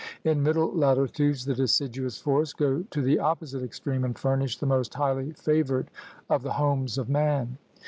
In middle latitudes the deciduous forests go to the opposite extreme and furnish the most highly favored of the homes of man.